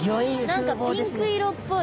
なんかピンク色っぽい。